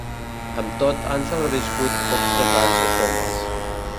Amb tot, han sobreviscut pocs detalls de Thomas.